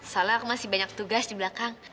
soalnya aku masih banyak tugas di belakang